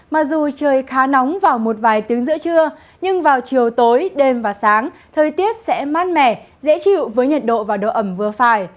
mặc dù trời khá nóng vào một vài tiếng giữa trưa nhưng vào chiều tối đêm và sáng thời tiết sẽ mát mẻ dễ chịu với nhiệt độ và độ ẩm vừa phải